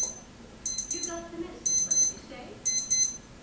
"You got the medicine first, you say?"